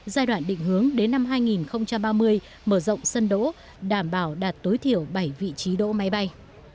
giai đoạn định hướng đến năm hai nghìn ba mươi mở rộng sân đỗ đảm bảo đạt tối thiểu bảy vị trí đỗ máy bay